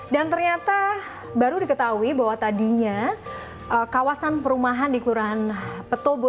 dan ternyata baru diketahui bahwa tadinya kawasan perumahan di kelurahan petobo